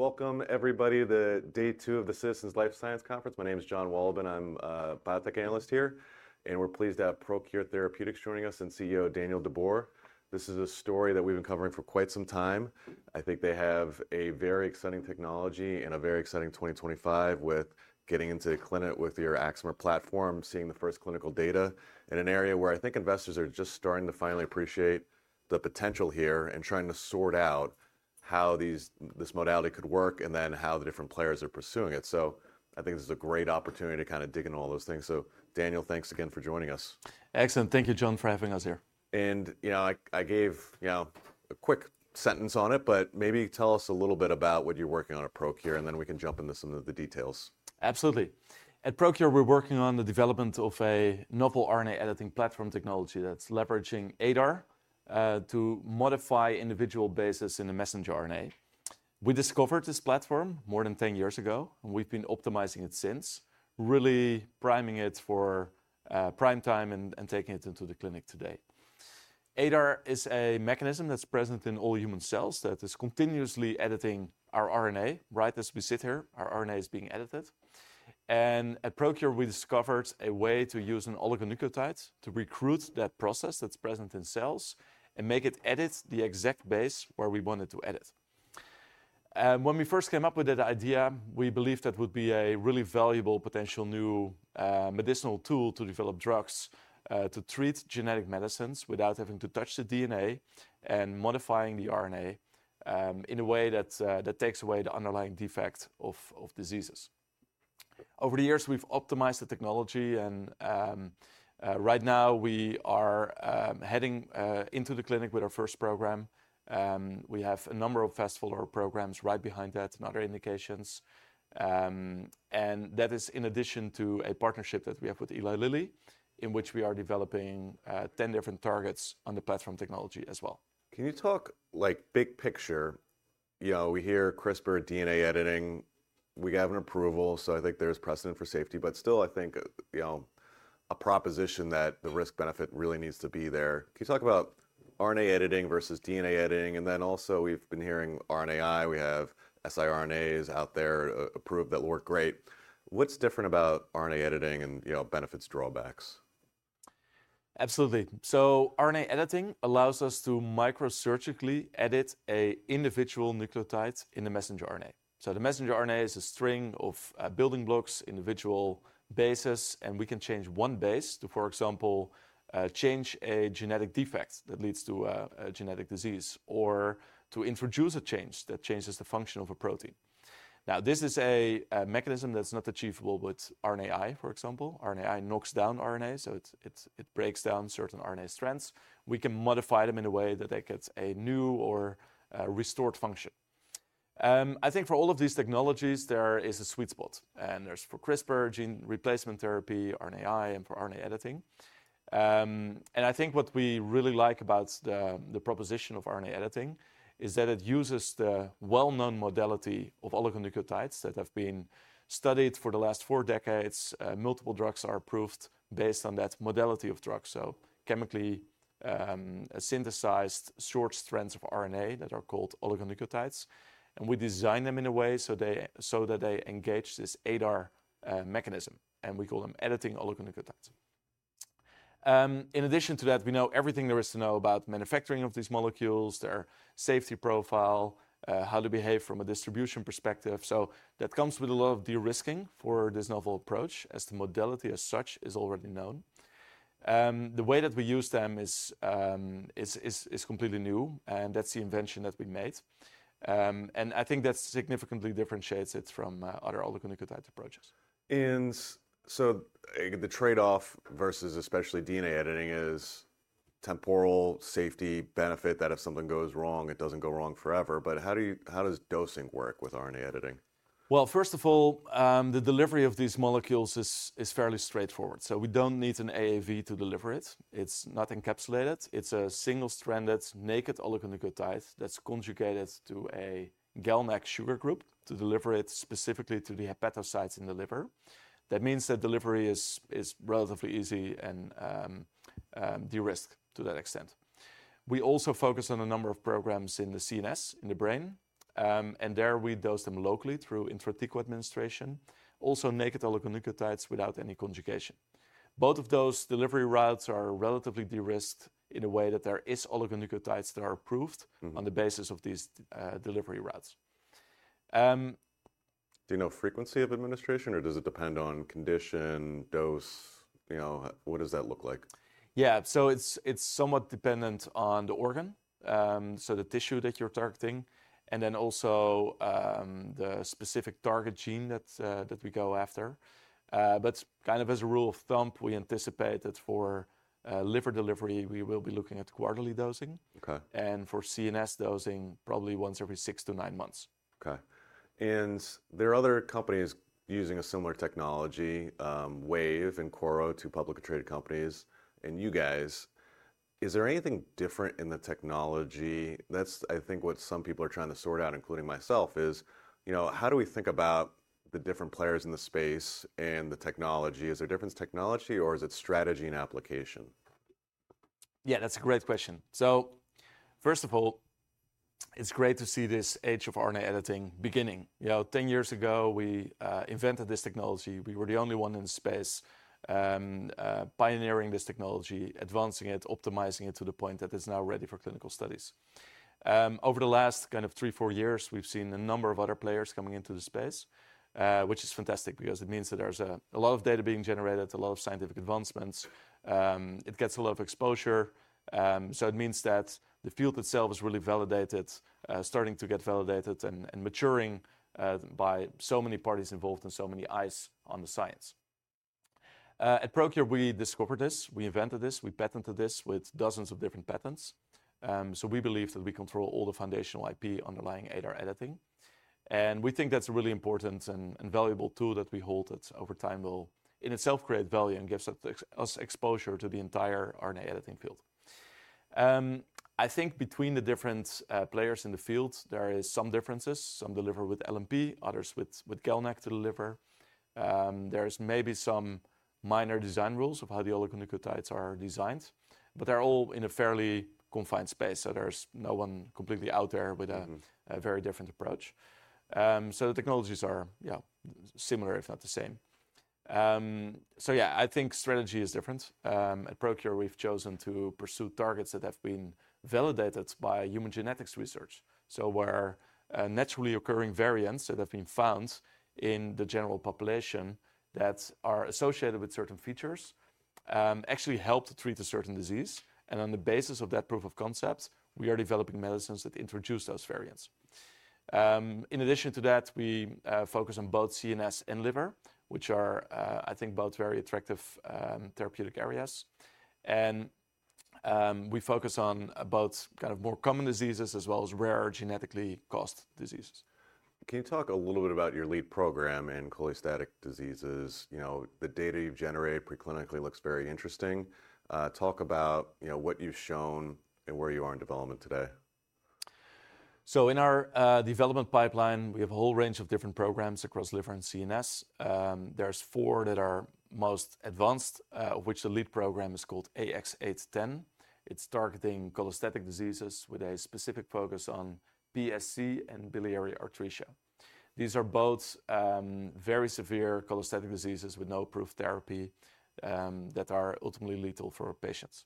All right. Welcome, everybody, to day two of the Citizens Life Science Conference. My name is John Wolloben. I'm a biotech analyst here. We are pleased to have ProQR Therapeutics joining us and CEO Daniel de Boer. This is a story that we have been covering for quite some time. I think they have a very exciting technology and a very exciting 2025 with getting into clinic with your Axiomer platform, seeing the first clinical data in an area where I think investors are just starting to finally appreciate the potential here and trying to sort out how this modality could work and then how the different players are pursuing it. I think this is a great opportunity to kind of dig into all those things. Daniel, thanks again for joining us. Excellent. Thank you, John, for having us here. You know, I gave, you know, a quick sentence on it, but maybe tell us a little bit about what you're working on at ProQR, and then we can jump into some of the details. Absolutely. At ProQR, we're working on the development of a novel RNA editing platform technology that's leveraging ADAR to modify individual bases in a messenger RNA. We discovered this platform more than 10 years ago, and we've been optimizing it since, really priming it for prime time and taking it into the clinic today. ADAR is a mechanism that's present in all human cells that is continuously editing our RNA right as we sit here. Our RNA is being edited. At ProQR, we discovered a way to use an oligonucleotide to recruit that process that's present in cells and make it edit the exact base where we want it to edit. When we first came up with that idea, we believed that would be a really valuable potential new medicinal tool to develop drugs to treat genetic medicines without having to touch the DNA and modifying the RNA in a way that takes away the underlying defect of diseases. Over the years, we've optimized the technology. Right now, we are heading into the clinic with our first program. We have a number of fast-follower programs right behind that and other indications. That is in addition to a partnership that we have with Eli Lilly, in which we are developing 10 different targets on the platform technology as well. Can you talk like big picture? You know, we hear CRISPR DNA editing. We have an approval, so I think there's precedent for safety. Still, I think you know a proposition that the risk-benefit really needs to be there. Can you talk about RNA editing versus DNA editing? Also, we've been hearing RNAi. We have siRNAs out there approved that will work great. What's different about RNA editing and benefits drawbacks? Absolutely. RNA editing allows us to microsurgically edit an individual nucleotide in the messenger RNA. The messenger RNA is a string of building blocks, individual bases. We can change one base to, for example, change a genetic defect that leads to a genetic disease or to introduce a change that changes the function of a protein. This is a mechanism that's not achievable with RNAi, for example. RNAi knocks down RNA, so it breaks down certain RNA strands. We can modify them in a way that they get a new or restored function. I think for all of these technologies, there is a sweet spot. There is for CRISPR, gene replacement therapy, RNAi, and for RNA editing. I think what we really like about the proposition of RNA editing is that it uses the well-known modality of oligonucleotides that have been studied for the last four decades. Multiple drugs are approved based on that modality of drugs, so chemically synthesized short strands of RNA that are called oligonucleotides. We design them in a way so that they engage this ADAR mechanism. We call them editing oligonucleotides. In addition to that, we know everything there is to know about manufacturing of these molecules, their safety profile, how they behave from a distribution perspective. That comes with a lot of de-risking for this novel approach as the modality as such is already known. The way that we use them is completely new. That is the invention that we made. I think that significantly differentiates it from other oligonucleotide approaches. The trade-off versus especially DNA editing is temporal safety benefit that if something goes wrong, it does not go wrong forever. How does dosing work with RNA editing? First of all, the delivery of these molecules is fairly straightforward. We do not need an AAV to deliver it. It is not encapsulated. It is a single-stranded naked oligonucleotide that is conjugated to a GalNAc sugar group to deliver it specifically to the hepatocytes in the liver. That means that delivery is relatively easy and de-risked to that extent. We also focus on a number of programs in the CNS, in the brain. There we dose them locally through intrathecal administration, also naked oligonucleotides without any conjugation. Both of those delivery routes are relatively de-risked in a way that there are oligonucleotides that are approved on the basis of these delivery routes. Do you know frequency of administration, or does it depend on condition, dose? What does that look like? Yeah, so it's somewhat dependent on the organ, so the tissue that you're targeting, and then also the specific target gene that we go after. But kind of as a rule of thumb, we anticipate that for liver delivery, we will be looking at quarterly dosing. And for CNS dosing, probably once every six to nine months. OK. There are other companies using a similar technology, Wave and Korro, two publicly traded companies, and you guys. Is there anything different in the technology? That is, I think, what some people are trying to sort out, including myself, is how do we think about the different players in the space and the technology? Is there a difference in technology, or is it strategy and application? Yeah, that's a great question. First of all, it's great to see this age of RNA editing beginning. Ten years ago, we invented this technology. We were the only one in the space pioneering this technology, advancing it, optimizing it to the point that it's now ready for clinical studies. Over the last three, four years, we've seen a number of other players coming into the space, which is fantastic because it means that there's a lot of data being generated, a lot of scientific advancements. It gets a lot of exposure. It means that the field itself is really validated, starting to get validated and maturing by so many parties involved and so many eyes on the science. At ProQR, we discovered this. We invented this. We patented this with dozens of different patents. We believe that we control all the foundational IP underlying ADAR editing. We think that's a really important and valuable tool that we hold that over time will in itself create value and gives us exposure to the entire RNA editing field. I think between the different players in the field, there are some differences. Some deliver with LNP, others with GalNAc to deliver. There are maybe some minor design rules of how the oligonucleotides are designed. They're all in a fairly confined space. There's no one completely out there with a very different approach. The technologies are similar, if not the same. Yeah, I think strategy is different. At ProQR, we've chosen to pursue targets that have been validated by human genetics research. Where naturally occurring variants that have been found in the general population that are associated with certain features actually help to treat a certain disease. On the basis of that proof of concept, we are developing medicines that introduce those variants. In addition to that, we focus on both CNS and liver, which are, I think, both very attractive therapeutic areas. We focus on both kind of more common diseases as well as rare genetically caused diseases. Can you talk a little bit about your lead program in cholestatic diseases? The data you've generated preclinically looks very interesting. Talk about what you've shown and where you are in development today. In our development pipeline, we have a whole range of different programs across liver and CNS. There are four that are most advanced, of which the lead program is called AX-0810. It is targeting cholestatic diseases with a specific focus on PSC and biliary atresia. These are both very severe cholestatic diseases with no proof therapy that are ultimately lethal for patients.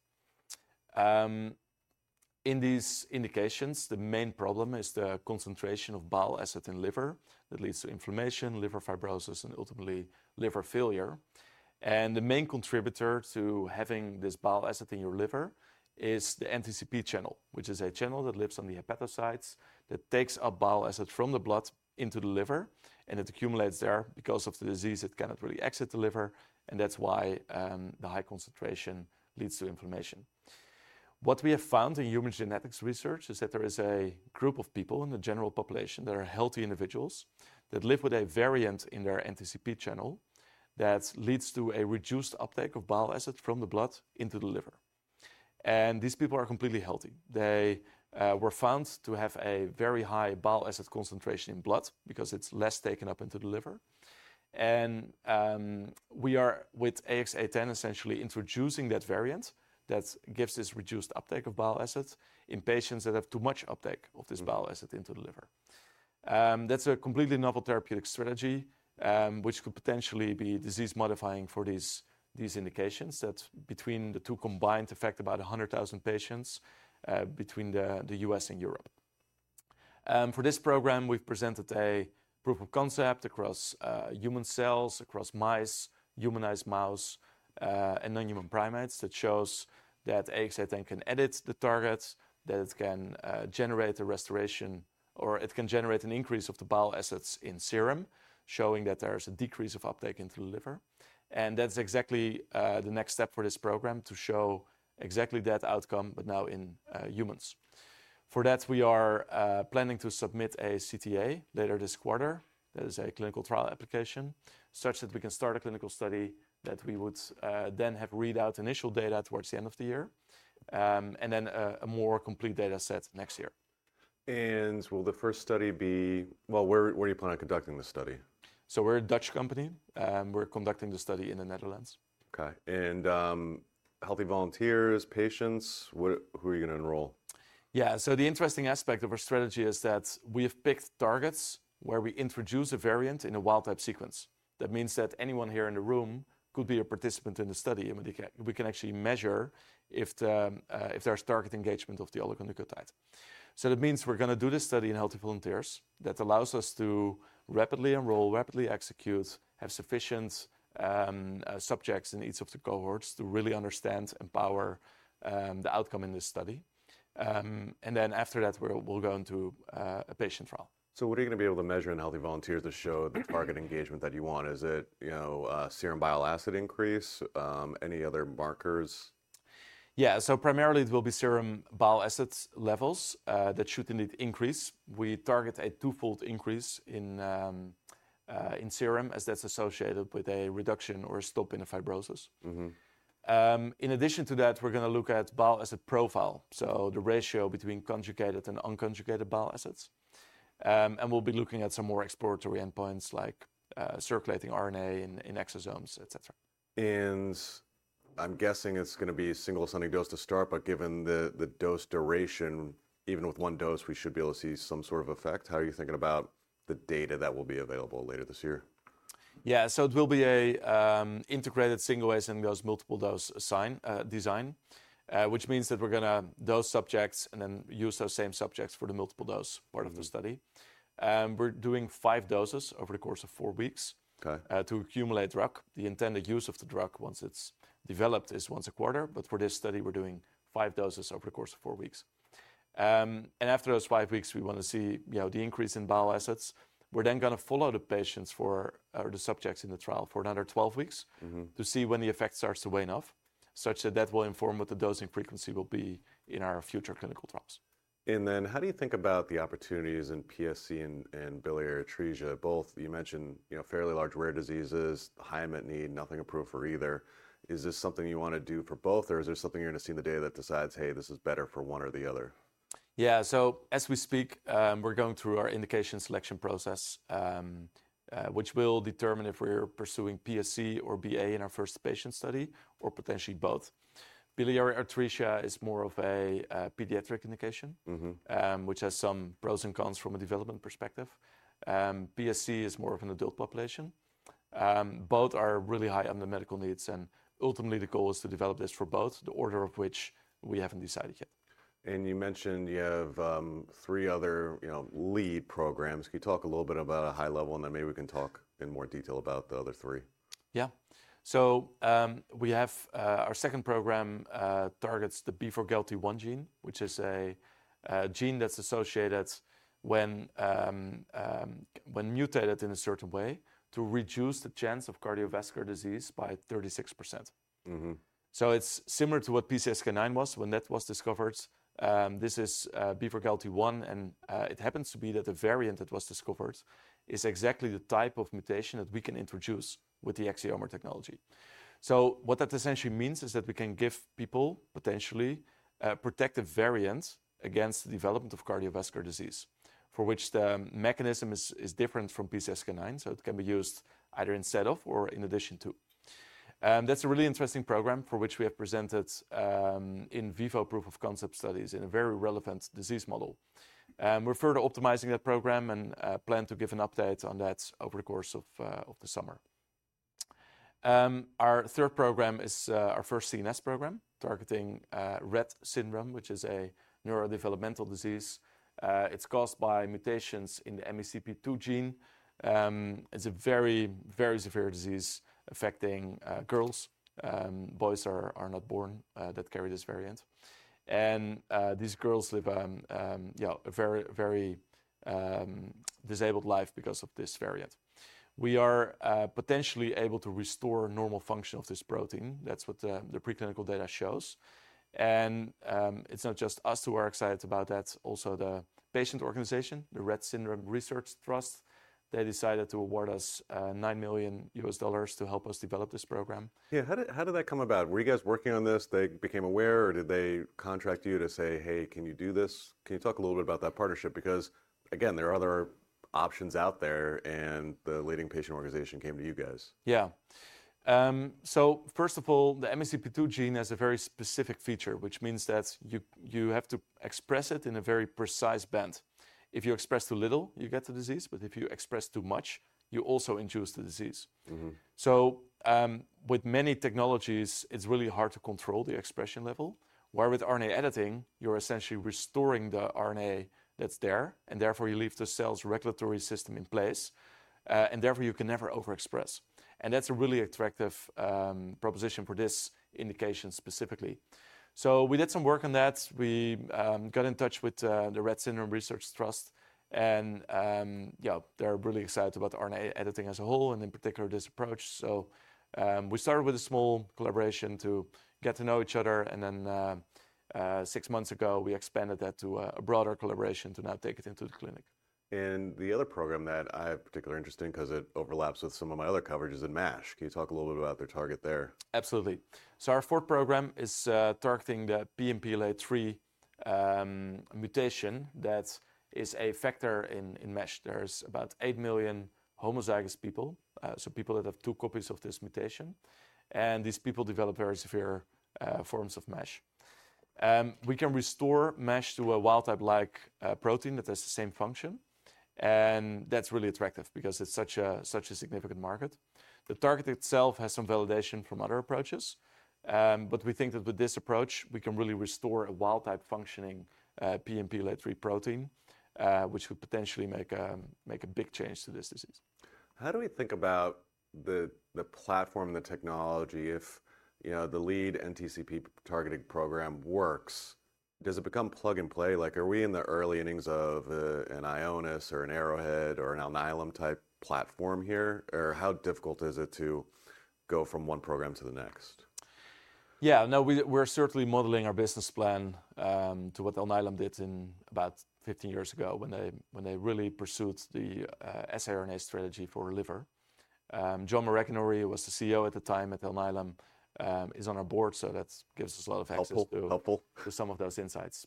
In these indications, the main problem is the concentration of bile acid in liver that leads to inflammation, liver fibrosis, and ultimately liver failure. The main contributor to having this bile acid in your liver is the NTCP channel, which is a channel that lives on the hepatocytes that takes up bile acid from the blood into the liver. It accumulates there because of the disease. It cannot really exit the liver. That is why the high concentration leads to inflammation. What we have found in human genetics research is that there is a group of people in the general population that are healthy individuals that live with a variant in their NTCP channel that leads to a reduced uptake of bile acid from the blood into the liver. These people are completely healthy. They were found to have a very high bile acid concentration in blood because it is less taken up into the liver. We are, with AX-0810, essentially introducing that variant that gives this reduced uptake of bile acid in patients that have too much uptake of this bile acid into the liver. That is a completely novel therapeutic strategy, which could potentially be disease-modifying for these indications that, between the two combined, affect about 100,000 patients between the U.S. and Europe. For this program, we've presented a proof of concept across human cells, across mice, humanized mouse, and non-human primates that shows that AX-0810 can edit the target, that it can generate a restoration, or it can generate an increase of the bile acids in serum, showing that there is a decrease of uptake into the liver. That's exactly the next step for this program to show exactly that outcome, but now in humans. For that, we are planning to submit a CTA later this quarter. That is a clinical trial application such that we can start a clinical study that we would then have read-out initial data towards the end of the year, and then a more complete data set next year. Will the first study be, where do you plan on conducting the study? We're a Dutch company. We're conducting the study in the Netherlands. OK. Healthy volunteers, patients, who are you going to enroll? Yeah, so the interesting aspect of our strategy is that we have picked targets where we introduce a variant in a wild-type sequence. That means that anyone here in the room could be a participant in the study. We can actually measure if there's target engagement of the oligonucleotide. That means we're going to do this study in healthy volunteers. That allows us to rapidly enroll, rapidly execute, have sufficient subjects in each of the cohorts to really understand and power the outcome in this study. After that, we'll go into a patient trial. What are you going to be able to measure in healthy volunteers to show the target engagement that you want? Is it serum bile acid increase, any other markers? Yeah, so primarily, it will be serum bile acid levels that should indeed increase. We target a twofold increase in serum as that's associated with a reduction or a stop in the fibrosis. In addition to that, we're going to look at bile acid profile, so the ratio between conjugated and unconjugated bile acids. We'll be looking at some more exploratory endpoints like circulating RNA in exosomes, et cetera. I'm guessing it's going to be a single-senting dose to start. Given the dose duration, even with one dose, we should be able to see some sort of effect. How are you thinking about the data that will be available later this year? Yeah, so it will be an integrated single-ascend and multiple-dose design, which means that we're going to dose subjects and then use those same subjects for the multiple-dose part of the study. We're doing five doses over the course of four weeks to accumulate drug. The intended use of the drug once it's developed is once a quarter. For this study, we're doing five doses over the course of four weeks. After those five doses, we want to see the increase in bile acids. We're then going to follow the patients or the subjects in the trial for another 12 weeks to see when the effect starts to wane off, such that that will inform what the dosing frequency will be in our future clinical trials. How do you think about the opportunities in PSC and biliary atresia? Both you mentioned fairly large rare diseases, high unmet need, nothing approved for either. Is this something you want to do for both, or is there something you're going to see in the data that decides, hey, this is better for one or the other? Yeah, so as we speak, we're going through our indication selection process, which will determine if we're pursuing PSC or BA in our first patient study or potentially both. Biliary atresia is more of a pediatric indication, which has some pros and cons from a development perspective. PSC is more of an adult population. Both are really high on the medical needs. Ultimately, the goal is to develop this for both, the order of which we haven't decided yet. You mentioned you have three other lead programs. Can you talk a little bit at a high level? Then maybe we can talk in more detail about the other three. Yeah, so we have our second program targets the B4GALT1 gene, which is a gene that's associated when mutated in a certain way to reduce the chance of cardiovascular disease by 36%. It is similar to what PCSK9 was when that was discovered. This is B4GALT1. It happens to be that the variant that was discovered is exactly the type of mutation that we can introduce with the Axiomer technology. What that essentially means is that we can give people potentially protective variants against the development of cardiovascular disease, for which the mechanism is different from PCSK9. It can be used either instead of or in addition to. That's a really interesting program for which we have presented in vivo proof of concept studies in a very relevant disease model. We're further optimizing that program and plan to give an update on that over the course of the summer. Our third program is our first CNS program targeting Rett syndrome, which is a neurodevelopmental disease. It's caused by mutations in the MECP2 gene. It's a very, very severe disease affecting girls. Boys are not born that carry this variant. These girls live a very, very disabled life because of this variant. We are potentially able to restore normal function of this protein. That's what the preclinical data shows. It's not just us who are excited about that. Also, the patient organization, the Rett Syndrome Research Trust, they decided to award us $9 million to help us develop this program. Yeah, how did that come about? Were you guys working on this? They became aware? Or did they contract you to say, hey, can you do this? Can you talk a little bit about that partnership? Because again, there are other options out there. The leading patient organization came to you guys. Yeah, so first of all, the MECP2 gene has a very specific feature, which means that you have to express it in a very precise band. If you express too little, you get the disease. If you express too much, you also induce the disease. With many technologies, it's really hard to control the expression level. With RNA editing, you're essentially restoring the RNA that's there. Therefore, you leave the cell's regulatory system in place. Therefore, you can never overexpress. That's a really attractive proposition for this indication specifically. We did some work on that. We got in touch with the Rett Syndrome Research Trust. They're really excited about RNA editing as a whole and in particular this approach. We started with a small collaboration to get to know each other. Six months ago, we expanded that to a broader collaboration to now take it into the clinic. The other program that I have particular interest in because it overlaps with some of my other coverage is in MASH. Can you talk a little bit about their target there? Absolutely. Our fourth program is targeting the PNPLA3 mutation that is a factor in MASH. There are about 8 million homozygous people, so people that have two copies of this mutation. These people develop very severe forms of MASH. We can restore MASH to a wild-type-like protein that has the same function. That is really attractive because it is such a significant market. The target itself has some validation from other approaches. We think that with this approach, we can really restore a wild-type functioning PNPLA3 protein, which could potentially make a big change to this disease. How do we think about the platform and the technology? If the lead NTCP targeting program works, does it become plug and play? Are we in the early innings of an Ionis or an Arrowhead or an Alnylam-type platform here? How difficult is it to go from one program to the next? Yeah, no, we're certainly modeling our business plan to what Alnylam did about 15 years ago when they really pursued the siRNA strategy for liver. John Maraganore was the CEO at the time at Alnylam, is on our board. That gives us a lot of access to some of those insights.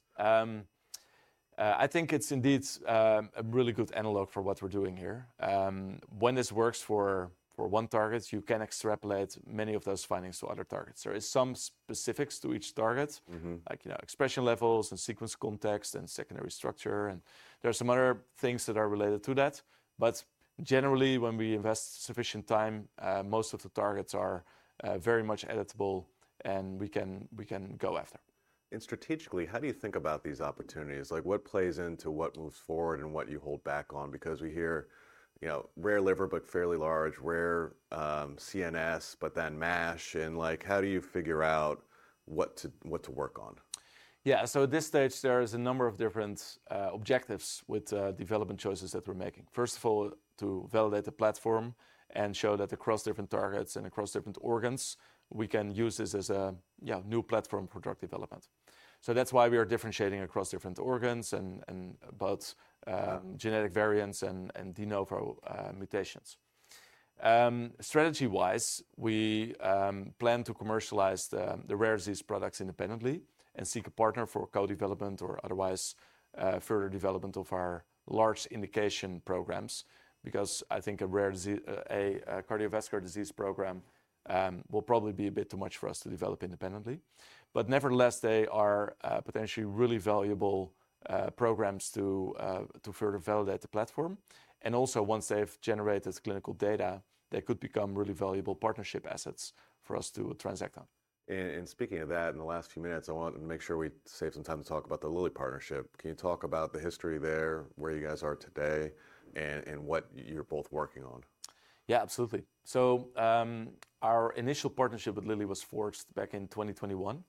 I think it's indeed a really good analog for what we're doing here. When this works for one target, you can extrapolate many of those findings to other targets. There are some specifics to each target, like expression levels and sequence context and secondary structure. There are some other things that are related to that. Generally, when we invest sufficient time, most of the targets are very much editable. We can go after. Strategically, how do you think about these opportunities? What plays into what moves forward and what you hold back on? We hear rare liver but fairly large, rare CNS, but then MASH. How do you figure out what to work on? Yeah, so at this stage, there is a number of different objectives with development choices that we're making. First of all, to validate the platform and show that across different targets and across different organs, we can use this as a new platform for drug development. That is why we are differentiating across different organs and about genetic variants and de novo mutations. Strategy-wise, we plan to commercialize the rare disease products independently and seek a partner for co-development or otherwise further development of our large indication programs. I think a cardiovascular disease program will probably be a bit too much for us to develop independently. Nevertheless, they are potentially really valuable programs to further validate the platform. Also, once they have generated clinical data, they could become really valuable partnership assets for us to transact on. Speaking of that, in the last few minutes, I wanted to make sure we save some time to talk about the Lilly partnership. Can you talk about the history there, where you guys are today, and what you're both working on? Yeah, absolutely. Our initial partnership with Lilly was forged back in 2021.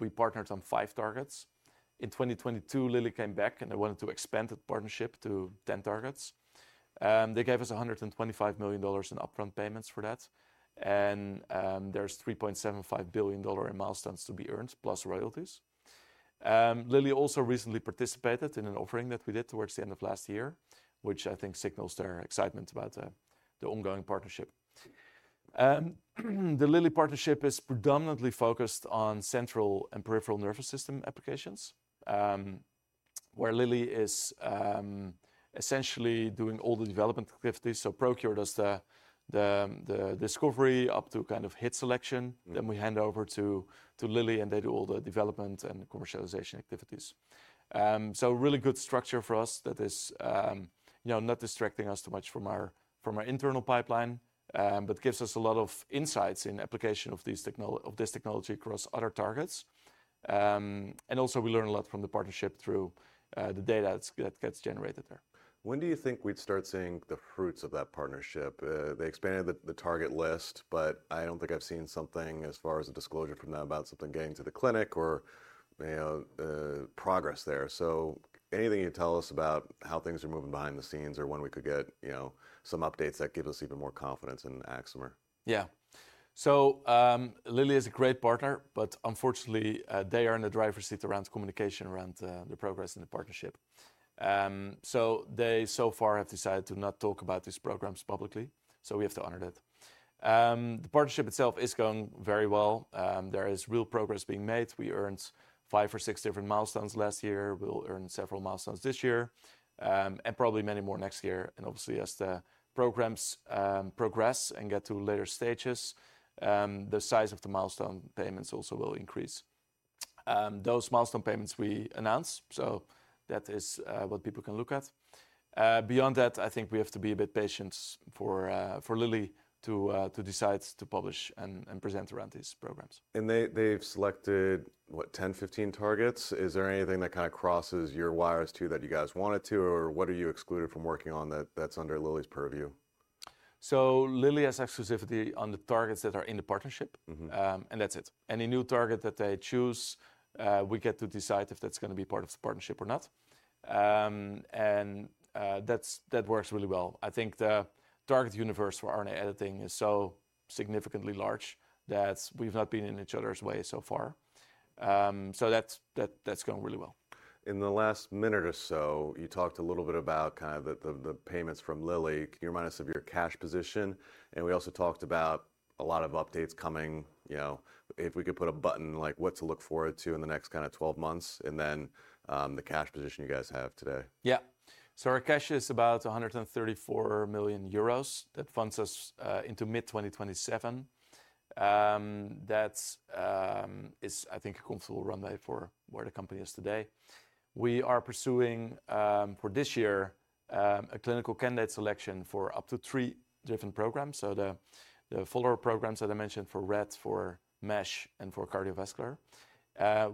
We partnered on five targets. In 2022, Lilly came back. They wanted to expand the partnership to 10 targets. They gave us $125 million in upfront payments for that. There is $3.75 billion in milestones to be earned, plus royalties. Lilly also recently participated in an offering that we did towards the end of last year, which I think signals their excitement about the ongoing partnership. The Lilly partnership is predominantly focused on central and peripheral nervous system applications, where Lilly is essentially doing all the development activities. ProQR does the discovery up to kind of hit selection. We hand over to Lilly. They do all the development and commercialization activities. Really good structure for us that is not distracting us too much from our internal pipeline, but gives us a lot of insights in application of this technology across other targets. We also learn a lot from the partnership through the data that gets generated there. When do you think we'd start seeing the fruits of that partnership? They expanded the target list. I don't think I've seen something as far as a disclosure from them about something getting to the clinic or progress there. Anything you tell us about how things are moving behind the scenes or when we could get some updates that give us even more confidence in Axiomer? Yeah, Lilly is a great partner. Unfortunately, they are in the driver's seat around communication about the progress in the partnership. They so far have decided to not talk about these programs publicly. We have to honor that. The partnership itself is going very well. There is real progress being made. We earned five or six different milestones last year. We'll earn several milestones this year and probably many more next year. Obviously, as the programs progress and get to later stages, the size of the milestone payments also will increase. Those milestone payments we announce. That is what people can look at. Beyond that, I think we have to be a bit patient for Lilly to decide to publish and present around these programs. They've selected, what, 10-15 targets? Is there anything that kind of crosses your wires too that you guys wanted to? Or what are you excluded from working on that's under Lilly's purview? Lilly has exclusivity on the targets that are in the partnership. That is it. Any new target that they choose, we get to decide if that is going to be part of the partnership or not. That works really well. I think the target universe for RNA editing is so significantly large that we have not been in each other's way so far. That is going really well. In the last minute or so, you talked a little bit about kind of the payments from Lilly. Can you remind us of your cash position? We also talked about a lot of updates coming. If we could put a button, like, what to look forward to in the next kind of 12 months and then the cash position you guys have today. Yeah, so our cash is about 134 million euros that funds us into mid-2027. That is, I think, a comfortable runway for where the company is today. We are pursuing for this year a clinical candidate selection for up to three different programs. The follower programs that I mentioned for Rett, for MASH, and for cardiovascular.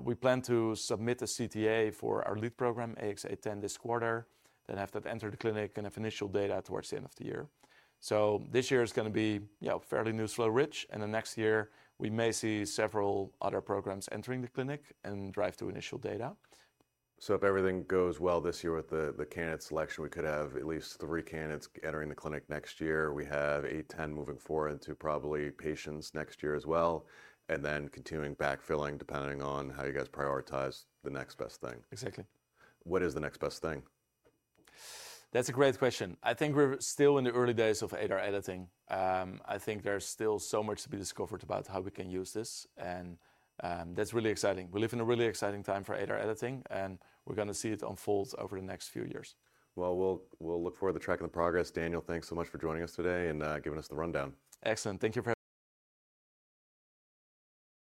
We plan to submit a CTA for our lead program, AX-0810, this quarter, then have that enter the clinic and have initial data towards the end of the year. This year is going to be fairly newsflow rich. Next year, we may see several other programs entering the clinic and drive to initial data. If everything goes well this year with the candidate selection, we could have at least three candidates entering the clinic next year. We have eight, ten moving forward into probably patients next year as well. Then continuing backfilling depending on how you guys prioritize the next best thing. Exactly. What is the next best thing? That's a great question. I think we're still in the early days of ADAR editing. I think there's still so much to be discovered about how we can use this. That's really exciting. We live in a really exciting time for ADAR editing. We're going to see it unfold over the next few years. We look forward to tracking the progress. Daniel, thanks so much for joining us today and giving us the rundown. Excellent. Thank you.